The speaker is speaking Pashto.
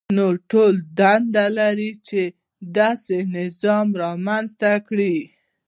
نو ټول دنده لرو چې داسې نظام رامنځته کړو.